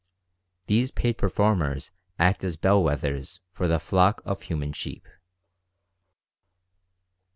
These paid performers act as "bell wethers" for the flock of human sheep.